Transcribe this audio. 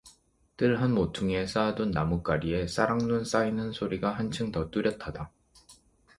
뜰 한 모퉁이에 쌓아 둔 나뭇가리에 싸락눈 쌓이는 소리가 한층더 뚜렷하다.